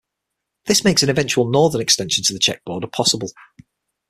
This makes an eventual northern extension to the Czech border possible.